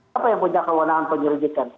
siapa yang punya kewenangan penyelidikan